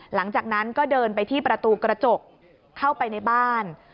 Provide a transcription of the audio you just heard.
หลังจากนั้นก็เดินไปที่ประตูกระจกเข้าไปในบ้าน